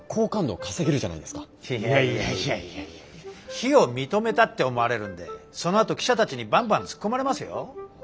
非を認めたって思われるんでそのあと記者たちにバンバン突っ込まれますよ。